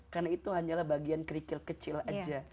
karena itu hanyalah bagian kerikil kecil aja